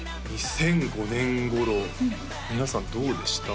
２００５年頃皆さんどうでした？